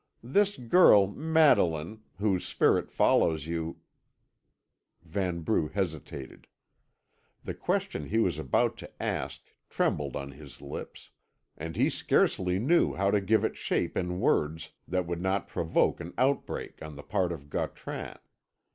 This girl, Madeline, whose spirit follows you " Vanbrugh hesitated. The question he was about to ask trembled on his lips, and he scarcely knew how to give it shape in words that would not provoke an outbreak on the part of Gautran.